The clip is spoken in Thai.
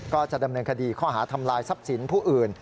ก็จะดำเนินคดีข้อหาทำลายทรัพย์สินผู้อื่น